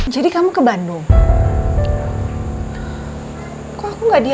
jadi kamu ke bandung